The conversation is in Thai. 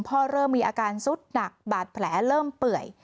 เริ่มมีอาการสุดหนักบาดแผลเริ่มเปื่อย